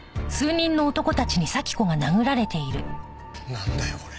なんだよこれ。